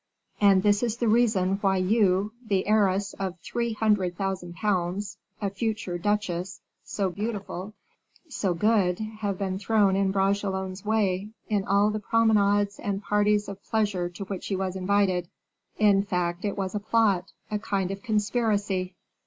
And this is the reason why you, the heiress of three hundred thousand pounds, a future duchess, so beautiful, so good, have been thrown in Bragelonne's way, in all the promenades and parties of pleasure to which he was invited. In fact it was a plot, a kind of conspiracy."